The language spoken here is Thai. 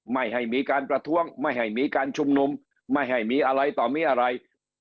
ไม่ให้มีการประท้วงไม่ให้มีการชุมนุมไม่ให้มีอะไรต่อมีอะไร